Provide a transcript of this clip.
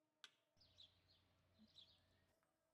ungana nami mtayarishaji na msimlizi wa makala hii jua haki yako